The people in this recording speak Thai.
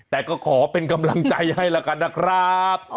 แต่ก็ขอเป็นกำลังใจให้แล้วกันนะครับ